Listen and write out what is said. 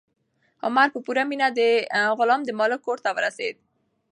عمر په پوره مینه د غلام د مالک کور ته ورسېد.